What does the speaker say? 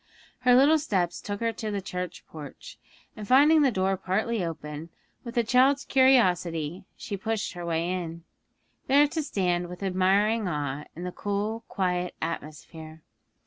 Her little steps took her to the church porch, and finding the door partly open, with a child's curiosity, she pushed her way in, there to stand with admiring awe in the cool, quiet atmosphere.